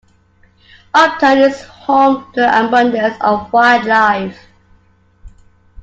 Upton is home to an abundance of wildlife.